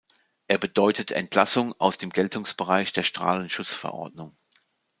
Er bedeutet Entlassung aus dem Geltungsbereich der Strahlenschutzverordnung.